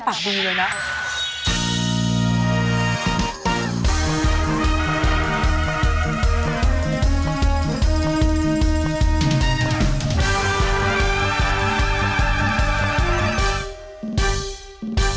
ขอบคุณมากครับ